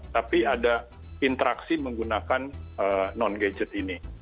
tapi ada interaksi menggunakan non gadget ini